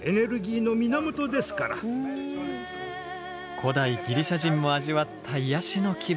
古代ギリシャ人も味わった癒やしの気分。